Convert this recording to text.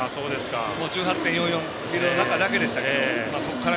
１８．４４の中からだけでしたけど。